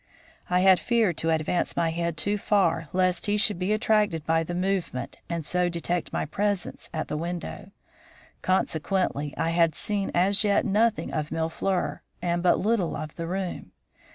I had feared to advance my head too far lest he should be attracted by the movement and so detect my presence at the window. Consequently I had seen as yet nothing of Mille fleurs, and but little of the room.